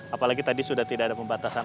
apalagi tadi sudah tidak ada pembatasan